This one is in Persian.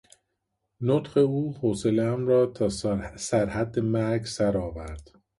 نطق او حوصلهام را تا سر حد مرگ سرآورد!